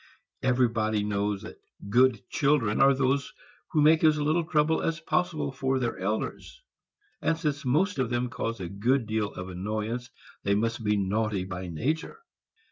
Everybody knows that good children are those who make as little trouble as possible for their elders, and since most of them cause a good deal of annoyance they must be naughty by nature.